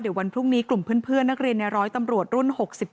เดี๋ยววันพรุ่งนี้กลุ่มเพื่อนนักเรียนในร้อยตำรวจรุ่น๖๗